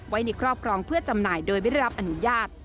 ไว้ในครอบครองเพื่อจำหน่ายโดยไม่ได้รับอนุญาต